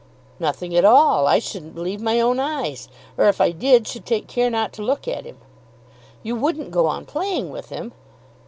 "Nothing at all. I shouldn't believe my own eyes. Or if I did, should take care not to look at him." "You wouldn't go on playing with him?"